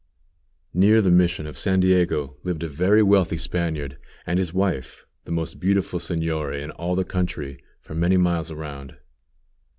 Near the Mission of San Diego lived a very wealthy Spaniard and his wife, the most beautiful señora in all the country for many miles around.